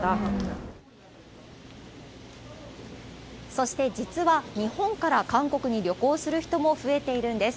そして、実は日本から韓国に旅行する人も増えているんです。